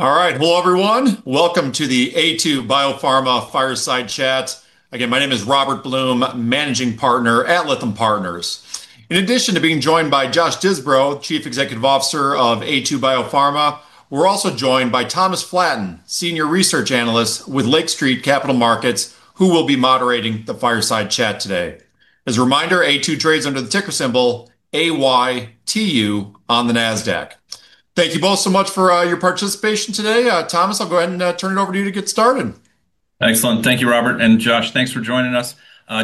All right. Hello, everyone. Welcome to the Aytu BioPharma fireside chat. Again, my name is Robert Blum, Managing Partner at Lithium Partners. In addition to being joined by Josh Disbrow, Chief Executive Officer of Aytu BioPharma, we're also joined by Thomas Flaten, Senior Research Analyst with Lake Street Capital Markets, who will be moderating the fireside chat today. As a reminder, AYTU trades under the ticker symbol AYTU on the Nasdaq. Thank you both so much for your participation today. Thomas, I'll go ahead and turn it over to you to get started. Excellent. Thank you, Robert. And Josh, thanks for joining us.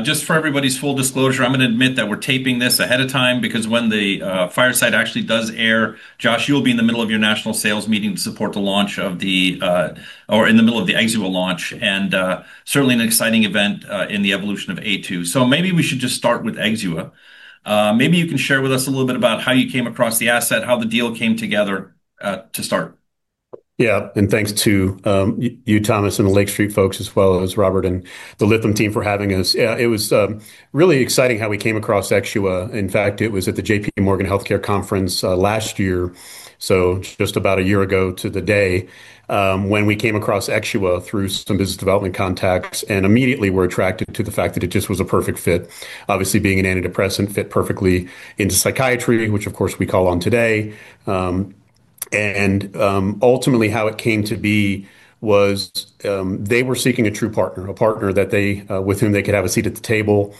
Just for everybody's full disclosure, I'm going to admit that we're taping this ahead of time because when the fireside actually does air, Josh, you'll be in the middle of your national sales meeting to support the launch of the, or in the middle of the Exxua launch, and certainly an exciting event in the evolution of Aytu. So maybe we should just start with Exxua. Maybe you can share with us a little bit about how you came across the asset, how the deal came together to start. Yeah. And thanks to you, Thomas, and the Lake Street folks, as well as Robert and the Lithium team for having us. It was really exciting how we came across Exxua. In fact, it was at the JPMorgan Healthcare Conference last year, so just about a year ago to the day, when we came across Exxua through some business development contacts, and immediately were attracted to the fact that it just was a perfect fit. Obviously, being an antidepressant fit perfectly into psychiatry, which, of course, we call on today. And ultimately, how it came to be was they were seeking a true partner, a partner with whom they could have a seat at the table,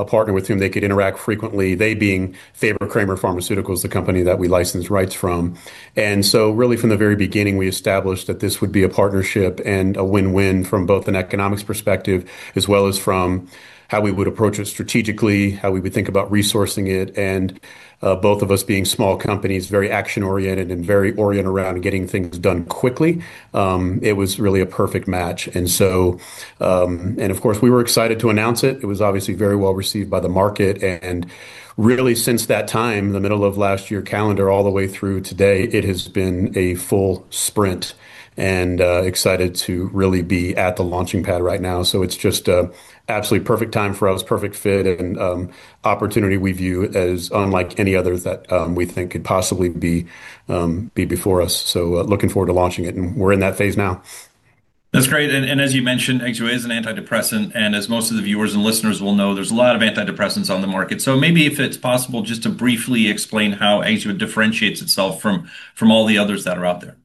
a partner with whom they could interact frequently, they being Fabre-Kramer Pharmaceuticals, the company that we license rights from. And so really, from the very beginning, we established that this would be a partnership and a win-win from both an economics perspective, as well as from how we would approach it strategically, how we would think about resourcing it. And both of us being small companies, very action-oriented and very oriented around getting things done quickly, it was really a perfect match. And of course, we were excited to announce it. It was obviously very well received by the market. And really, since that time, the middle of last year calendar all the way through today, it has been a full sprint and excited to really be at the launching pad right now. So it's just an absolutely perfect time for us, perfect fit and opportunity we view as unlike any other that we think could possibly be before us. So looking forward to launching it, and we're in that phase now. That's great. And as you mentioned, Exxua is an antidepressant. And as most of the viewers and listeners will know, there's a lot of antidepressants on the market. So maybe if it's possible, just to briefly explain how Exxua differentiates itself from all the others that are out there?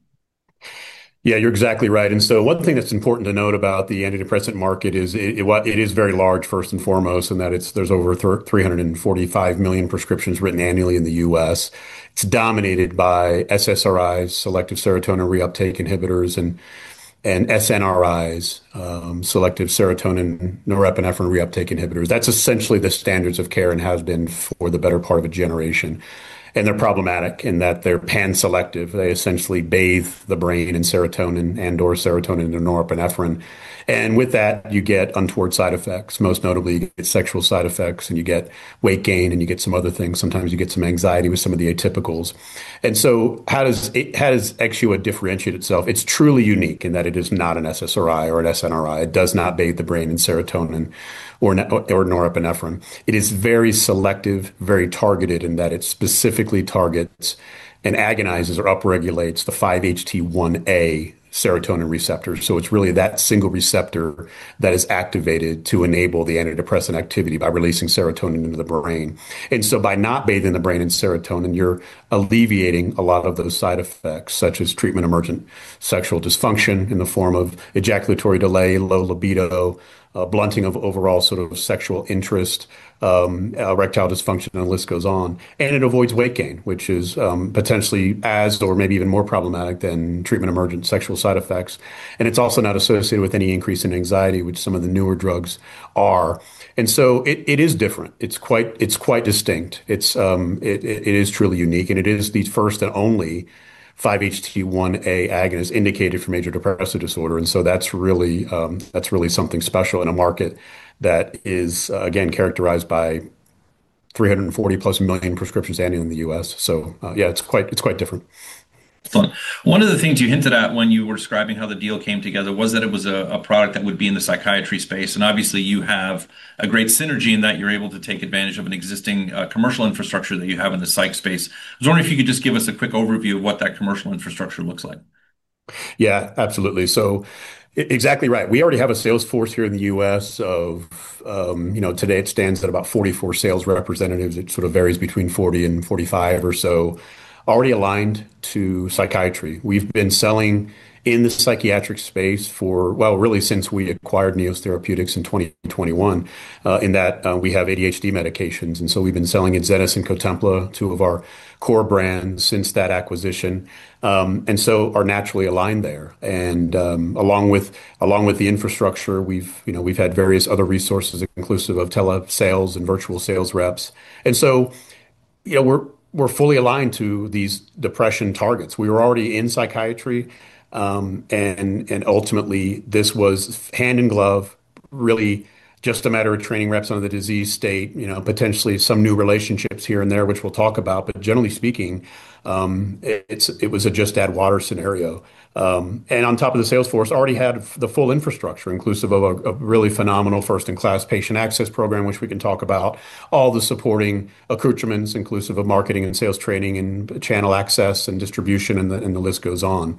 Yeah, you're exactly right. And so one thing that's important to note about the antidepressant market is it is very large, first and foremost, in that there's over 345 million prescriptions written annually in the U.S. It's dominated by SSRIs, selective serotonin reuptake inhibitors, and SNRIs, selective serotonin norepinephrine reuptake inhibitors. That's essentially the standards of care and has been for the better part of a generation. And they're problematic in that they're pan-selective. They essentially bathe the brain in serotonin and/or serotonin and norepinephrine. And with that, you get untoward side effects, most notably sexual side effects, and you get weight gain, and you get some other things. Sometimes you get some anxiety with some of the atypicals. And so how does Exxua differentiate itself? It's truly unique in that it is not an SSRI or an SNRI. It does not bathe the brain in serotonin or norepinephrine. It is very selective, very targeted in that it specifically targets and agonizes or upregulates the 5-HT1A serotonin receptors. So it's really that single receptor that is activated to enable the antidepressant activity by releasing serotonin into the brain. And so by not bathing the brain in serotonin, you're alleviating a lot of those side effects, such as treatment-emergent sexual dysfunction in the form of ejaculatory delay, low libido, blunting of overall sort of sexual interest, erectile dysfunction, and the list goes on. And it avoids weight gain, which is potentially as or maybe even more problematic than treatment-emergent sexual side effects. And it's also not associated with any increase in anxiety, which some of the newer drugs are. And so it is different. It's quite distinct. It is truly unique. And it is the first and only 5-HT1A agonist indicated for major depressive disorder. That's really something special in a market that is, again, characterized by 340+ million prescriptions annually in the U.S. Yeah, it's quite different. Excellent. One of the things you hinted at when you were describing how the deal came together was that it was a product that would be in the psychiatry space. And obviously, you have a great synergy in that you're able to take advantage of an existing commercial infrastructure that you have in the psych space. I was wondering if you could just give us a quick overview of what that commercial infrastructure looks like? Yeah, absolutely. So exactly right. We already have a sales force here in the U.S. Today, it stands at about 44 sales representatives. It sort of varies between 40 and 45 or so, already aligned to psychiatry. We've been selling in the psychiatric space for, well, really since we acquired Neos Therapeutics in 2021, in that we have ADHD medications. And so we've been selling in Adzenis and Cotempla, two of our core brands since that acquisition, and so are naturally aligned there. And along with the infrastructure, we've had various other resources, inclusive of telesales and virtual sales reps. And so we're fully aligned to these depression targets. We were already in psychiatry. And ultimately, this was hand in glove, really just a matter of training reps on the disease state, potentially some new relationships here and there, which we'll talk about. But generally speaking, it was a just add water scenario. And on top of the sales force, already had the full infrastructure, inclusive of a really phenomenal first-in-class patient access program, which we can talk about, all the supporting accoutrements, inclusive of marketing and sales training and channel access and distribution, and the list goes on.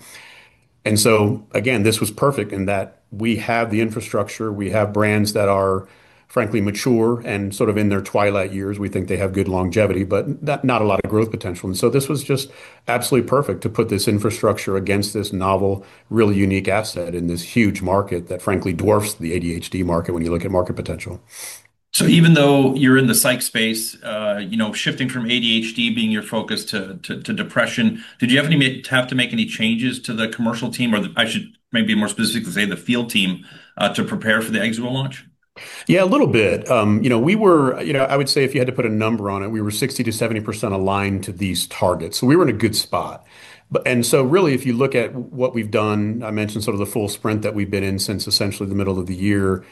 And so again, this was perfect in that we have the infrastructure. We have brands that are, frankly, mature and sort of in their twilight years. We think they have good longevity, but not a lot of growth potential. And so this was just absolutely perfect to put this infrastructure against this novel, really unique asset in this huge market that, frankly, dwarfs the ADHD market when you look at market potential. So even though you're in the psych space, shifting from ADHD being your focus to depression, did you have to make any changes to the commercial team, or I should maybe be more specifically say the field team to prepare for the Exxua launch? Yeah, a little bit. I would say if you had to put a number on it, we were 60%-70% aligned to these targets. So we were in a good spot. And so really, if you look at what we've done, I mentioned sort of the full sprint that we've been in since essentially the middle of the year,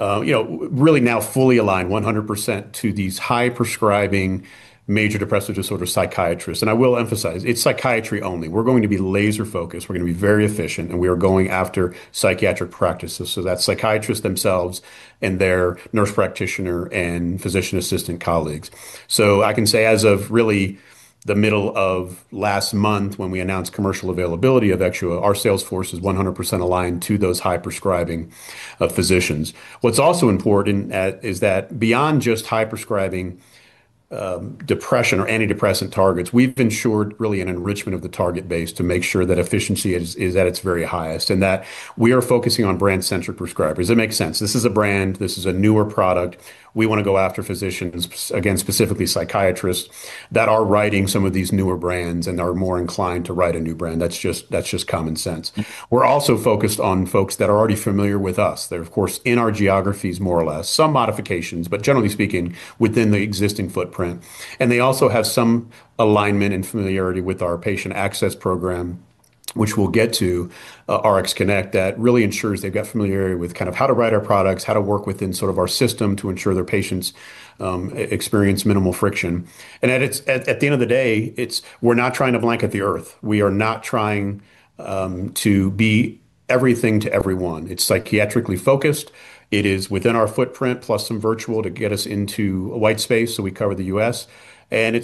really now fully aligned 100% to these high-prescribing major depressive disorder psychiatrists. And I will emphasize, it's psychiatry only. We're going to be laser-focused. We're going to be very efficient. And we are going after psychiatric practices, so that psychiatrists themselves and their nurse practitioner and physician assistant colleagues. So I can say as of really the middle of last month, when we announced commercial availability of Exxua, our sales force is 100% aligned to those high-prescribing physicians. What's also important is that beyond just high-prescribing depression or antidepressant targets, we've ensured really an enrichment of the target base to make sure that efficiency is at its very highest and that we are focusing on brand-centric prescribers. It makes sense. This is a brand. This is a newer product. We want to go after physicians, again, specifically psychiatrists that are writing some of these newer brands and are more inclined to write a new brand. That's just common sense. We're also focused on folks that are already familiar with us. They're, of course, in our geographies more or less, some modifications, but generally speaking, within the existing footprint. And they also have some alignment and familiarity with our patient access program, which we'll get to, RxConnect, that really ensures they've got familiarity with kind of how to write our products, how to work within sort of our system to ensure their patients experience minimal friction. And at the end of the day, we're not trying to blanket the earth. We are not trying to be everything to everyone. It's psychiatrically focused. It is within our footprint, plus some virtual to get us into a white space so we cover the U.S. And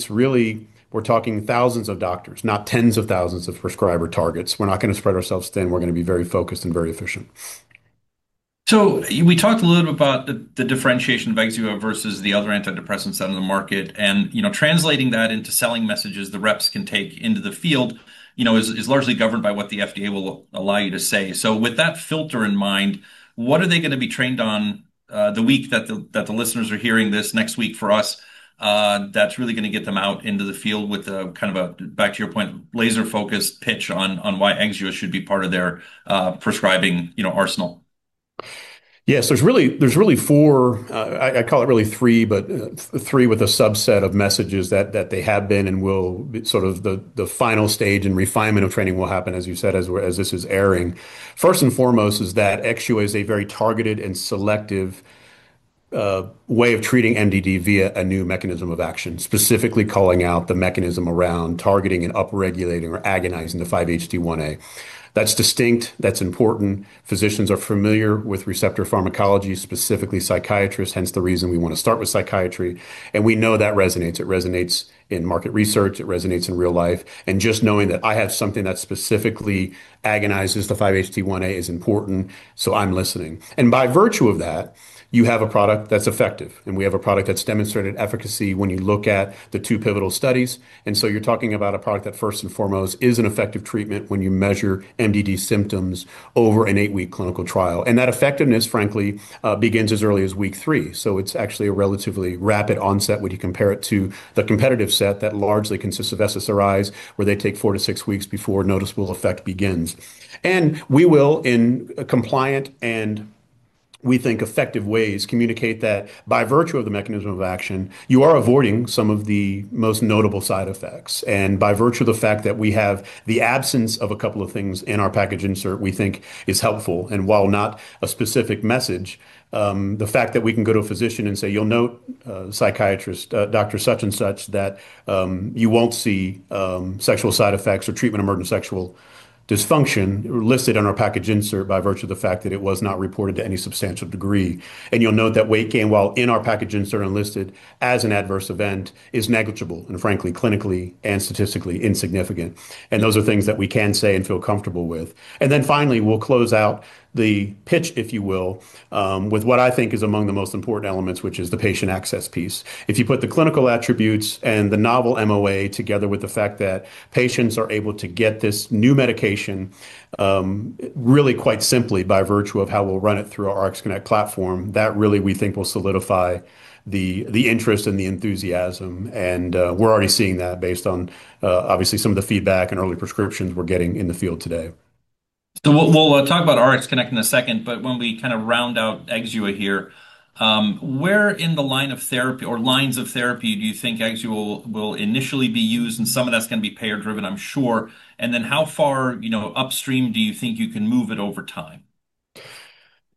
we're talking thousands of doctors, not tens of thousands of prescriber targets. We're not going to spread ourselves thin. We're going to be very focused and very efficient. So we talked a little bit about the differentiation of Exxua versus the other antidepressants out in the market. And translating that into selling messages the reps can take into the field is largely governed by what the FDA will allow you to say. So with that filter in mind, what are they going to be trained on the week that the listeners are hearing this next week for us that's really going to get them out into the field with kind of a, back to your point, laser-focused pitch on why Exxua should be part of their prescribing arsenal? Yes. There's really four. I call it really three, but three with a subset of messages that they have been and will sort of the final stage and refinement of training will happen, as you said, as this is airing. First and foremost is that Exxua is a very targeted and selective way of treating MDD via a new mechanism of action, specifically calling out the mechanism around targeting and upregulating or agonizing the 5-HT1A. That's distinct. That's important. Physicians are familiar with receptor pharmacology, specifically psychiatrists, hence the reason we want to start with psychiatry, and we know that resonates. It resonates in market research. It resonates in real life, and just knowing that I have something that specifically agonizes the 5-HT1A is important. So I'm listening, and by virtue of that, you have a product that's effective. We have a product that's demonstrated efficacy when you look at the two pivotal studies. So you're talking about a product that first and foremost is an effective treatment when you measure MDD symptoms over an eight-week clinical trial. That effectiveness, frankly, begins as early as week three. It's actually a relatively rapid onset when you compare it to the competitive set that largely consists of SSRIs, where they take four to six weeks before noticeable effect begins. We will, in compliant and we think effective ways, communicate that by virtue of the mechanism of action, you are avoiding some of the most notable side effects. By virtue of the fact that we have the absence of a couple of things in our package insert we think is helpful, and while not a specific message, the fact that we can go to a physician and say, "You'll note, psychiatrist, Dr. such and such, that you won't see sexual side effects or treatment-emergent sexual dysfunction listed on our package insert by virtue of the fact that it was not reported to any substantial degree. And you'll note that weight gain, while in our package insert and listed as an adverse event, is negligible and, frankly, clinically and statistically insignificant." And those are things that we can say and feel comfortable with. And then finally, we'll close out the pitch, if you will, with what I think is among the most important elements, which is the patient access piece. If you put the clinical attributes and the novel MOA together with the fact that patients are able to get this new medication really quite simply by virtue of how we'll run it through our RxConnect platform, that really we think will solidify the interest and the enthusiasm, and we're already seeing that based on, obviously, some of the feedback and early prescriptions we're getting in the field today. So we'll talk about RxConnect in a second. But when we kind of round out Exxua here, where in the line of therapy or lines of therapy do you think Exxua will initially be used? And some of that's going to be payer-driven, I'm sure. And then how far upstream do you think you can move it over time?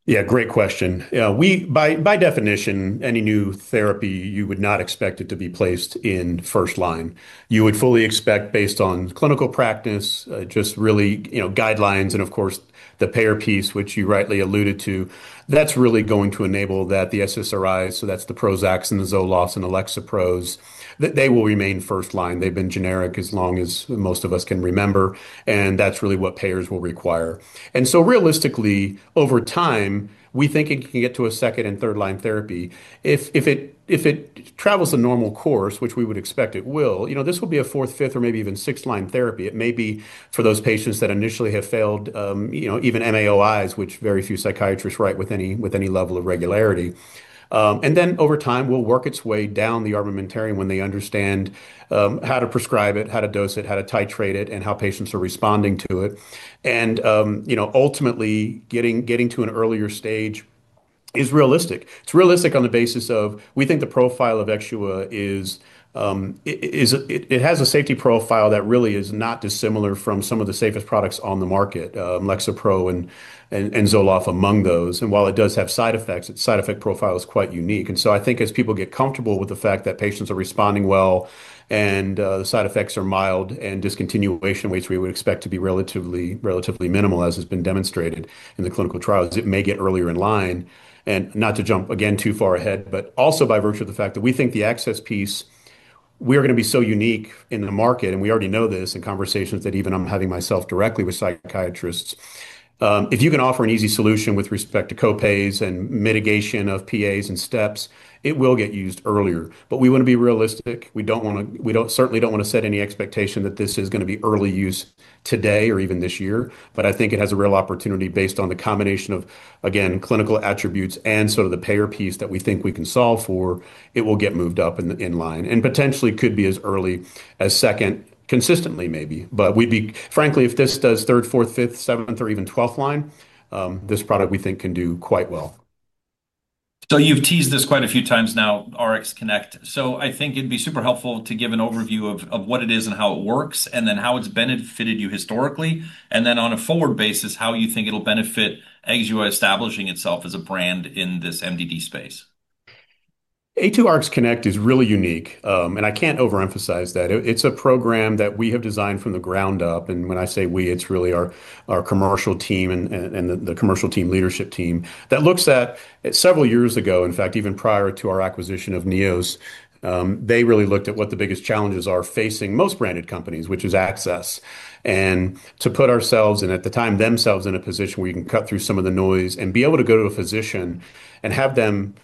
Yeah, great question. By definition, any new therapy, you would not expect it to be placed in first line. You would fully expect, based on clinical practice, just really guidelines and, of course, the payer piece, which you rightly alluded to, that's really going to enable that the SSRIs, so that's the Prozacs and the Zolofts and the Lexapros, that they will remain first line. They've been generic as long as most of us can remember. And that's really what payers will require. And so realistically, over time, we think it can get to a second and third line therapy. If it travels a normal course, which we would expect it will, this will be a fourth, fifth, or maybe even sixth line therapy. It may be for those patients that initially have failed even MAOIs, which very few psychiatrists write with any level of regularity. Over time, we'll work its way down the armamentarium when they understand how to prescribe it, how to dose it, how to titrate it, and how patients are responding to it. Ultimately, getting to an earlier stage is realistic. It's realistic on the basis of we think the profile of Exxua has a safety profile that really is not dissimilar from some of the safest products on the market, Lexapro and Zoloft among those. While it does have side effects, its side effect profile is quite unique. I think as people get comfortable with the fact that patients are responding well and the side effects are mild and discontinuation rates we would expect to be relatively minimal, as has been demonstrated in the clinical trials, it may get earlier in line. And not to jump, again, too far ahead, but also by virtue of the fact that we think the access piece we are going to be so unique in the market. And we already know this in conversations that even I'm having myself directly with psychiatrists. If you can offer an easy solution with respect to copays and mitigation of PAs and steps, it will get used earlier. But we want to be realistic. We certainly don't want to set any expectation that this is going to be early use today or even this year. But I think it has a real opportunity based on the combination of, again, clinical attributes and sort of the payer piece that we think we can solve for; it will get moved up in line and potentially could be as early as second consistently, maybe. But frankly, if this does third, fourth, fifth, seventh, or even twelfth line, this product we think can do quite well. You've teased this quite a few times now, RxConnect. I think it'd be super helpful to give an overview of what it is and how it works and then how it's benefited you historically. And then on a forward basis, how you think it'll benefit Exxua establishing itself as a brand in this MDD space. Aytu RxConnect is really unique. And I can't overemphasize that. It's a program that we have designed from the ground up. And when I say we, it's really our commercial team and the commercial team leadership team that looks at several years ago, in fact, even prior to our acquisition of Neos, they really looked at what the biggest challenges are facing most branded companies, which is access. And to put ourselves, and at the time, themselves in a position where you can cut through some of the noise and be able to go to a physician and have them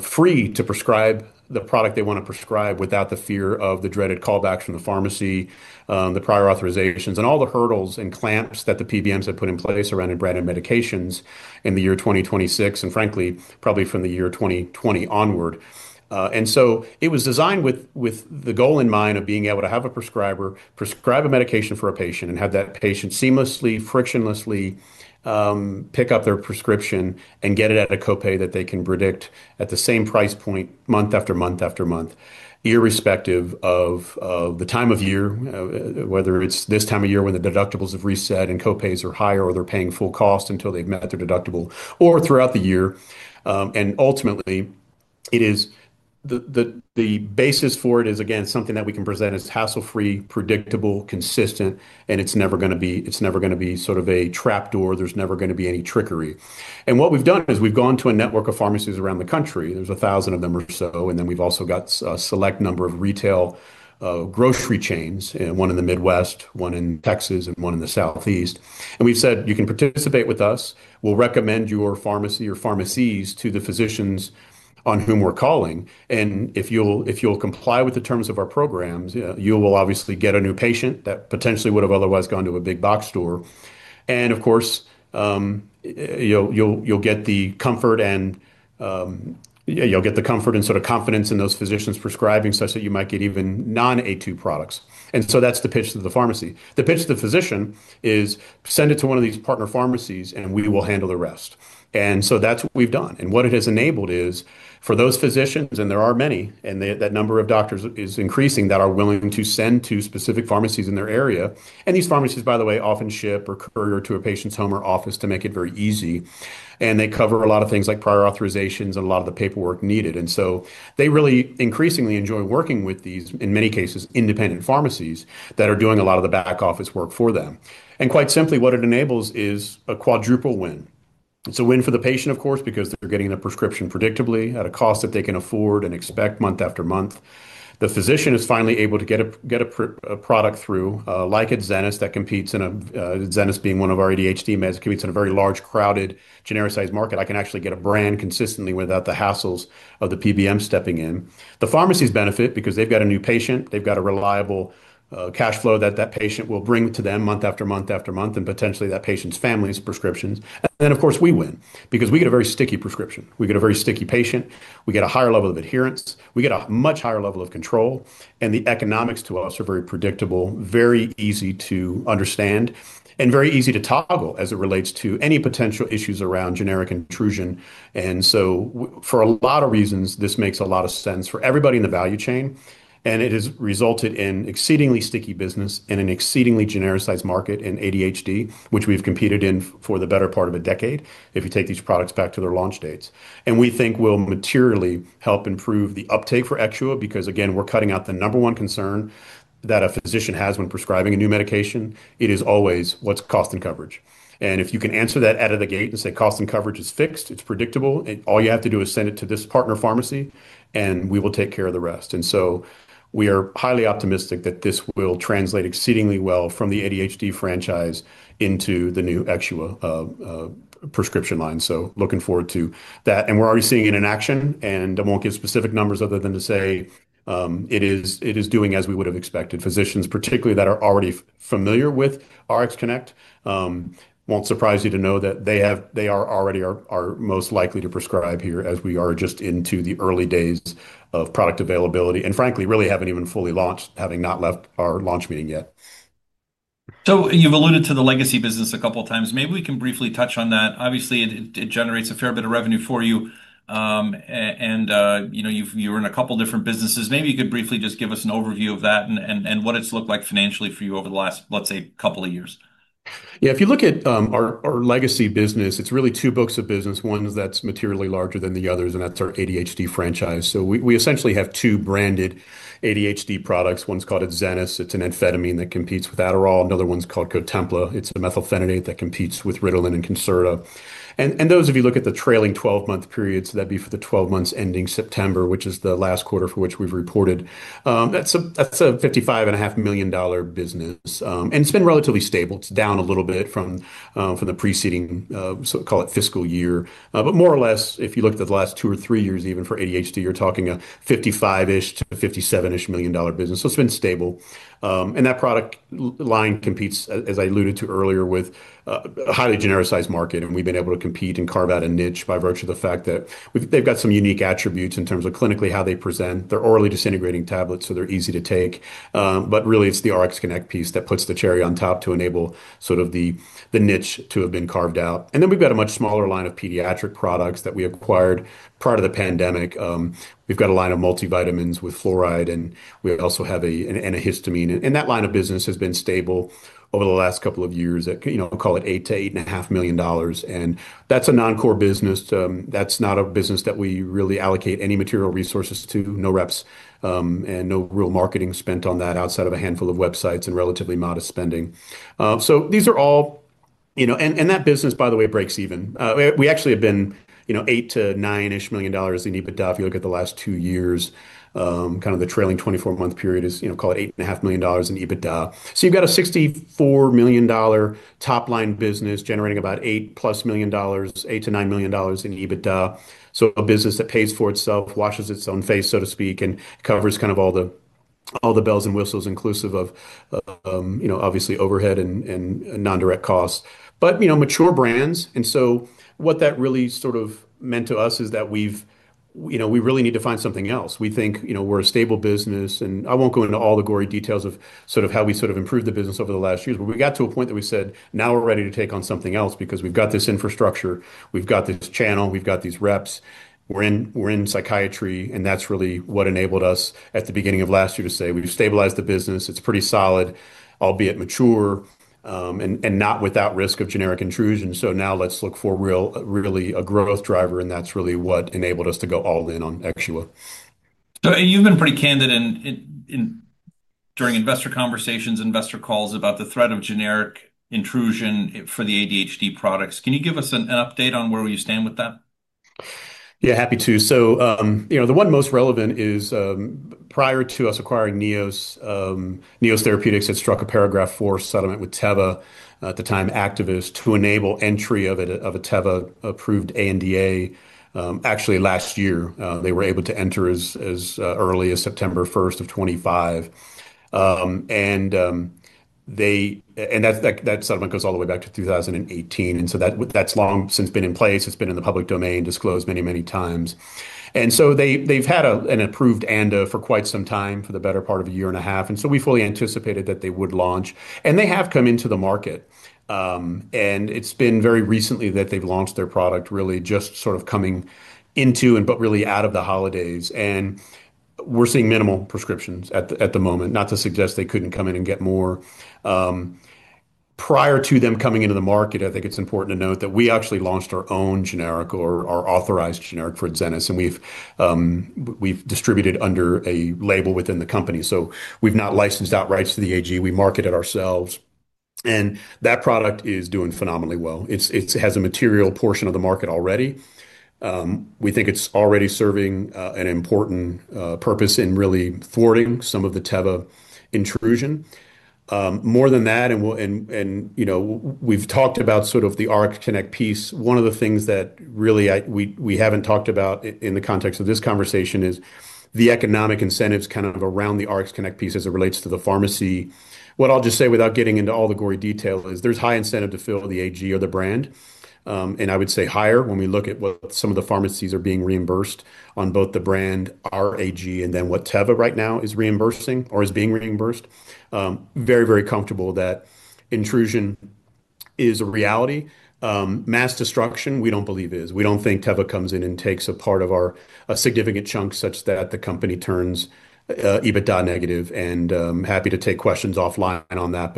free to prescribe the product they want to prescribe without the fear of the dreaded callbacks from the pharmacy, the prior authorizations, and all the hurdles and clamps that the PBMs have put in place around branded medications in the year 2026 and, frankly, probably from the year 2020 onward. And so it was designed with the goal in mind of being able to have a prescriber prescribe a medication for a patient and have that patient seamlessly, frictionlessly pick up their prescription and get it at a copay that they can predict at the same price point month after month after month, irrespective of the time of year, whether it's this time of year when the deductibles have reset and copays are higher or they're paying full cost until they've met their deductible or throughout the year. And ultimately, the basis for it is, again, something that we can present as hassle-free, predictable, consistent, and it's never going to be sort of a trap door. There's never going to be any trickery. And what we've done is we've gone to a network of pharmacies around the country. There's 1,000 of them or so. Then we've also got a select number of retail grocery chains, one in the Midwest, one in Texas, and one in the Southeast. We've said, "You can participate with us. We'll recommend your pharmacy or pharmacies to the physicians on whom we're calling. And if you'll comply with the terms of our programs, you will obviously get a new patient that potentially would have otherwise gone to a big box store. And, of course, you'll get the comfort and sort of confidence in those physicians prescribing such that you might get even non-Aytu products." That's the pitch to the pharmacy. The pitch to the physician is, "Send it to one of these partner pharmacies, and we will handle the rest." That's what we've done. And what it has enabled is for those physicians, and there are many, and that number of doctors is increasing that are willing to send to specific pharmacies in their area. And these pharmacies, by the way, often ship or courier to a patient's home or office to make it very easy. And they cover a lot of things like prior authorizations and a lot of the paperwork needed. And so they really increasingly enjoy working with these, in many cases, independent pharmacies that are doing a lot of the back office work for them. And quite simply, what it enables is a quadruple win. It's a win for the patient, of course, because they're getting the prescription predictably at a cost that they can afford and expect month after month. The physician is finally able to get a product through, like at Adzenis, that competes in a Adzenis being one of our ADHD meds, competes in a very large, crowded, genericized market. I can actually get a brand consistently without the hassles of the PBM stepping in. The pharmacies benefit because they've got a new patient. They've got a reliable cash flow that that patient will bring to them month after month after month and potentially that patient's family's prescriptions. And then, of course, we win because we get a very sticky prescription. We get a very sticky patient. We get a higher level of adherence. We get a much higher level of control. And the economics to us are very predictable, very easy to understand, and very easy to toggle as it relates to any potential issues around generic intrusion. For a lot of reasons, this makes a lot of sense for everybody in the value chain. It has resulted in exceedingly sticky business in an exceedingly genericized market in ADHD, which we've competed in for the better part of a decade if you take these products back to their launch dates. We think will materially help improve the uptake for Exxua because, again, we're cutting out the number one concern that a physician has when prescribing a new medication. It is always what's cost and coverage. If you can answer that out of the gate and say, "Cost and coverage is fixed. It's predictable. All you have to do is send it to this partner pharmacy, and we will take care of the rest." And so we are highly optimistic that this will translate exceedingly well from the ADHD franchise into the new Exxua prescription line. So looking forward to that. And we're already seeing it in action. And I won't give specific numbers other than to say it is doing as we would have expected. Physicians, particularly those that are already familiar with RxConnect, it won't surprise you to know that they are already our most likely to prescribe here as we are just into the early days of product availability and, frankly, really haven't even fully launched, having not left our launch meeting yet. So you've alluded to the legacy business a couple of times. Maybe we can briefly touch on that. Obviously, it generates a fair bit of revenue for you. And you were in a couple of different businesses. Maybe you could briefly just give us an overview of that and what it's looked like financially for you over the last, let's say, couple of years. Yeah. If you look at our legacy business, it's really two books of business. One that's materially larger than the others, and that's our ADHD franchise. So we essentially have two branded ADHD products. One's called Adzenis. It's an amphetamine that competes with Adderall. Another one's called Cotempla. It's a methylphenidate that competes with Ritalin and Concerta. And those, if you look at the trailing 12-month period, so that'd be for the 12 months ending September, which is the last quarter for which we've reported, that's a $55.5 million business. And it's been relatively stable. It's down a little bit from the preceding, call it, fiscal year. But more or less, if you look at the last two or three years, even for ADHD, you're talking a $55-ish-$57-ish million business. So it's been stable. And that product line competes, as I alluded to earlier, with a highly genericized market. And we've been able to compete and carve out a niche by virtue of the fact that they've got some unique attributes in terms of clinically how they present. They're orally disintegrating tablets, so they're easy to take. But really, it's the RxConnect piece that puts the cherry on top to enable sort of the niche to have been carved out. And then we've got a much smaller line of pediatric products that we acquired prior to the pandemic. We've got a line of multivitamins with fluoride, and we also have an antihistamine. And that line of business has been stable over the last couple of years at, call it, $8 million-$8.5 million. And that's a non-core business. That's not a business that we really allocate any material resources to. No reps and no real marketing spent on that outside of a handful of websites and relatively modest spending, so these are all, and that business, by the way, breaks even. We actually have been $8-$9-ish million in EBITDA if you look at the last two years. Kind of the trailing 24-month period is, call it, $8.5 million in EBITDA. So you've got a $64 million top-line business generating about $8+ million, $8 million-$9 million in EBITDA. So a business that pays for itself, washes its own face, so to speak, and covers kind of all the bells and whistles, inclusive of, obviously, overhead and non-direct costs, but mature brands, and so what that really sort of meant to us is that we really need to find something else. We think we're a stable business. And I won't go into all the gory details of sort of how we sort of improved the business over the last years. But we got to a point that we said, "Now we're ready to take on something else because we've got this infrastructure. We've got this channel. We've got these reps. We're in psychiatry." And that's really what enabled us at the beginning of last year to say, "We've stabilized the business. It's pretty solid, albeit mature and not without risk of generic intrusion. So now let's look for really a growth driver." And that's really what enabled us to go all in on Exxua. So you've been pretty candid during investor conversations, investor calls about the threat of generic intrusion for the ADHD products. Can you give us an update on where you stand with that? Yeah, happy to. So the one most relevant is prior to us acquiring Neos, Neos Therapeutics had struck a Paragraph IV settlement with Teva at the time, Actavis, to enable entry of a Teva-approved ANDA. Actually, last year, they were able to enter as early as September 1st of 2025. And that settlement goes all the way back to 2018. And so that's long since been in place. It's been in the public domain, disclosed many, many times. And so they've had an approved ANDA for quite some time, for the better part of a year and a half. And so we fully anticipated that they would launch. And they have come into the market. And it's been very recently that they've launched their product, really just sort of coming into, but really out of the holidays. We're seeing minimal prescriptions at the moment, not to suggest they couldn't come in and get more. Prior to them coming into the market, I think it's important to note that we actually launched our own generic or our authorized generic for Adzenis. We've distributed under a label within the company. So we've not licensed out rights to the AG. We market it ourselves. That product is doing phenomenally well. It has a material portion of the market already. We think it's already serving an important purpose in really thwarting some of the Teva intrusion. More than that, we've talked about sort of the RxConnect piece. One of the things that really we haven't talked about in the context of this conversation is the economic incentives kind of around the RxConnect piece as it relates to the pharmacy. What I'll just say without getting into all the gory detail is there's high incentive to fill the AG or the brand. And I would say higher when we look at what some of the pharmacies are being reimbursed on both the brand, our AG, and then what Teva right now is reimbursing or is being reimbursed. Very, very comfortable that intrusion is a reality. Mass destruction, we don't believe it is. We don't think Teva comes in and takes a part of our significant chunk such that the company turns EBITDA negative. And I'm happy to take questions offline on that.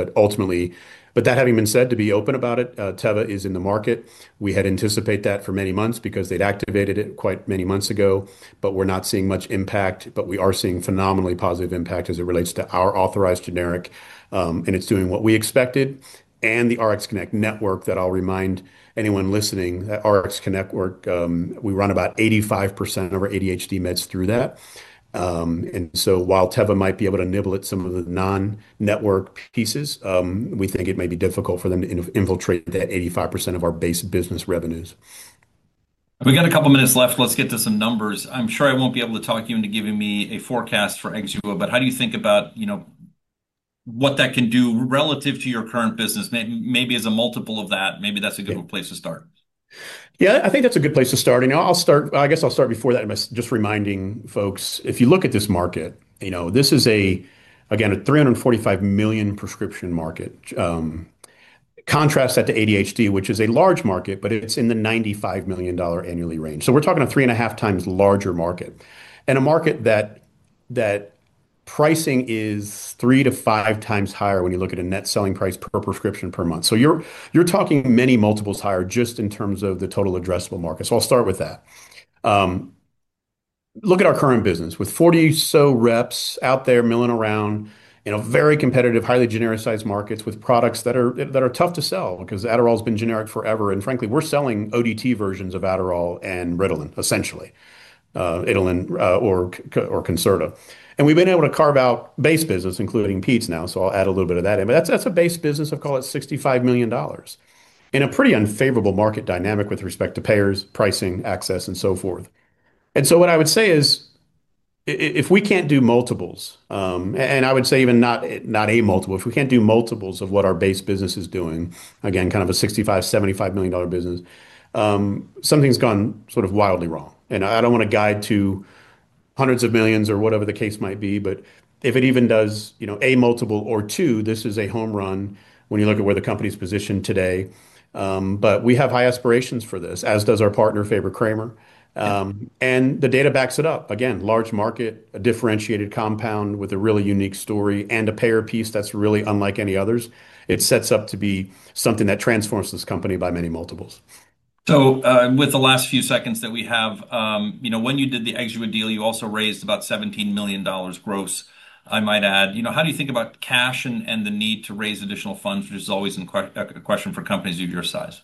But that having been said, to be open about it, Teva is in the market. We had anticipated that for many months because they'd activated it quite many months ago, but we're not seeing much impact. But we are seeing phenomenally positive impact as it relates to our authorized generic. And it's doing what we expected. And the RxConnect network that I'll remind anyone listening, RxConnect network, we run about 85% of our ADHD meds through that. And so while Teva might be able to nibble at some of the non-network pieces, we think it may be difficult for them to infiltrate that 85% of our base business revenues. We've got a couple of minutes left. Let's get to some numbers. I'm sure I won't be able to talk you into giving me a forecast for Exxua, but how do you think about what that can do relative to your current business? Maybe as a multiple of that, maybe that's a good place to start. Yeah, I think that's a good place to start, and I guess I'll start before that by just reminding folks, if you look at this market, this is, again, a $345 million prescription market. Contrast that to ADHD, which is a large market, but it's in the $95 million annually range. So we're talking a 3.5x larger market and a market that pricing is 3x-5x higher when you look at a net selling price per prescription per month. So you're talking many multiples higher just in terms of the total addressable market. So I'll start with that. Look at our current business with 40 or so reps out there milling around in very competitive, highly genericized markets with products that are tough to sell because Adderall has been generic forever, and frankly, we're selling ODT versions of Adderall and Ritalin, essentially, Ritalin or Concerta. We've been able to carve out base business, including Peds now. So I'll add a little bit of that in. But that's a base business of, call it, $65 million in a pretty unfavorable market dynamic with respect to payers, pricing, access, and so forth. What I would say is if we can't do multiples, and I would say even not a multiple, if we can't do multiples of what our base business is doing, again, kind of a $65 million-$75 million business, something's gone sort of wildly wrong. I don't want to guide to hundreds of millions or whatever the case might be, but if it even does a multiple or two, this is a home run when you look at where the company's positioned today. We have high aspirations for this, as does our partner, Fabre-Kramer. The data backs it up. Again, large market, a differentiated compound with a really unique story and a payer piece that's really unlike any others. It sets up to be something that transforms this company by many multiples. So with the last few seconds that we have, when you did the Exxua deal, you also raised about $17 million gross, I might add. How do you think about cash and the need to raise additional funds, which is always a question for companies of your size?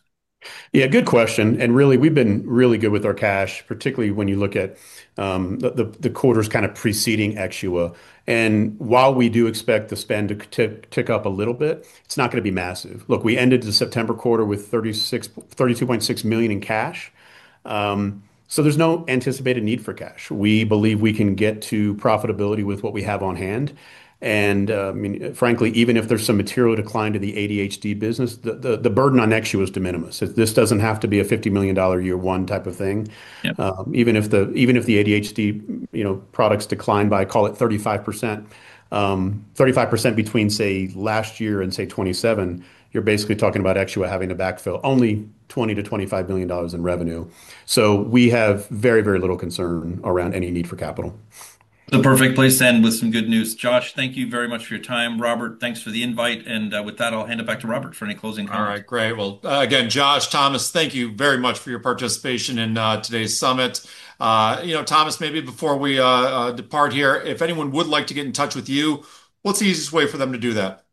Yeah, good question. And really, we've been really good with our cash, particularly when you look at the quarters kind of preceding Exxua. And while we do expect the spend to tick up a little bit, it's not going to be massive. Look, we ended the September quarter with $32.6 million in cash. So there's no anticipated need for cash. We believe we can get to profitability with what we have on hand. And frankly, even if there's some material decline to the ADHD business, the burden on Exxua is de minimis. This doesn't have to be a $50 million year one type of thing. Even if the ADHD products decline by, call it, 35% between, say, last year and, say, 2027, you're basically talking about Exxua having to backfill only $20 million-$25 million in revenue. So we have very, very little concern around any need for capital. The perfect place to end with some good news. Josh, thank you very much for your time. Robert, thanks for the invite. And with that, I'll hand it back to Robert for any closing comments. All right. Great. Well, again, Josh, Thomas, thank you very much for your participation in today's summit. Thomas, maybe before we depart here, if anyone would like to get in touch with you, what's the easiest way for them to do that?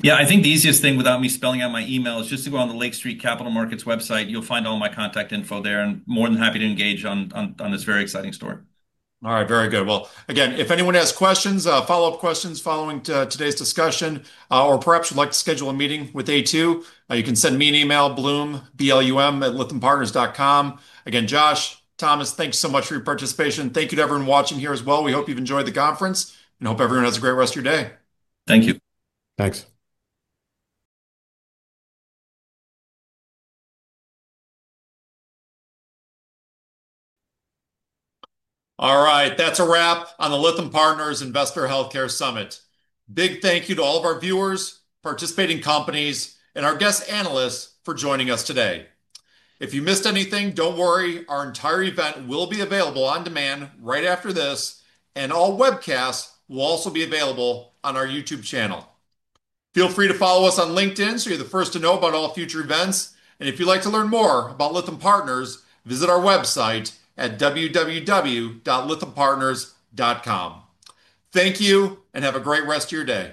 Yeah, I think the easiest thing without me spelling out my email is just to go on the Lake Street Capital Markets website. You'll find all my contact info there, and more than happy to engage on this very exciting story. All right. Very good. Well, again, if anyone has questions, follow-up questions following today's discussion, or perhaps would like to schedule a meeting with Aytu, you can send me an email, Blum, blum@lithiumpartners.com. Again, Josh, Thomas, thanks so much for your participation. Thank you to everyone watching here as well. We hope you've enjoyed the conference and hope everyone has a great rest of your day. Thank you. Thanks. All right. That's a wrap on the Lithium Partners Investor Healthcare Summit. Big thank you to all of our viewers, participating companies, and our guest analysts for joining us today. If you missed anything, don't worry. Our entire event will be available on demand right after this. And all webcasts will also be available on our YouTube channel. Feel free to follow us on LinkedIn so you're the first to know about all future events. And if you'd like to learn more about Lithium Partners, visit our website at www.lithiumpartners.com. Thank you and have a great rest of your day.